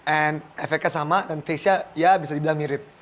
and efeknya sama dan tastenya ya bisa dibilang mirip